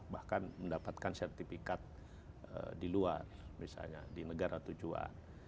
bahkan mendapatkan sertifikat di luar misalnya di negara tujuan